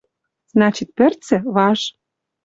Значит, пӹрцӹ — важ.